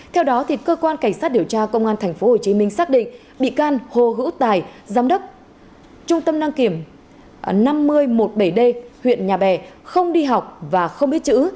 theo đó cơ quan cảnh sát điều tra công an tp hcm xác định bị can hồ hữu tài giám đốc trung tâm đăng kiểm năm nghìn một mươi bảy d huyện nhà bè không đi học và không biết chữ